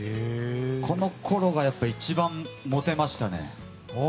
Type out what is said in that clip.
このころがやっぱり一番モテましたね。